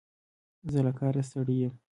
زه له کاره ستړی یم.